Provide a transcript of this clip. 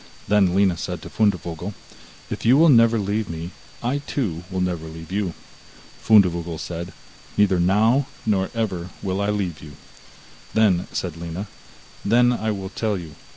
Then Lina said to Fundevogel: 'If you will never leave me, I too will never leave you.' Fundevogel said: 'Neither now, nor ever will I leave you.' Then said Lina: 'Then will I tell you.